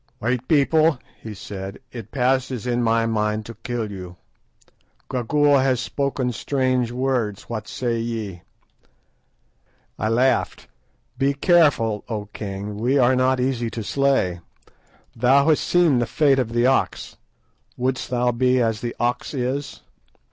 "White people," he said, "it passes in my mind to kill you. Gagool has spoken strange words. What say ye?" I laughed. "Be careful, O king, we are not easy to slay. Thou hast seen the fate of the ox; wouldst thou be as the ox is?"